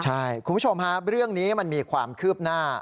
ใช่คุณผู้ชมฮะเรื่องนี้มันมีความคืบหน้า